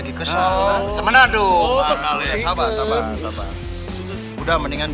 geng motor yang baik hati